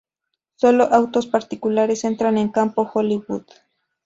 Sólo autos particulares entran en Campo Hollywood.